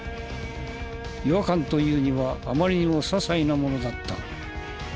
違和感というにはあまりにもささいなものだった。